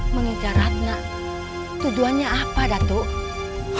mengejar ratna tujuannya apa datuk